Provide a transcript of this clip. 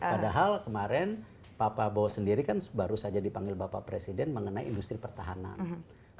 padahal kemarin pak prabowo sendiri kan baru saja dipanggil bapak presiden mengenai industri pertahanan